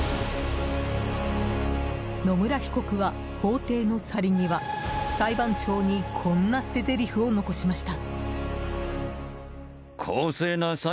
野村被告は法廷の去り際裁判長にこんな捨てぜりふを残しました。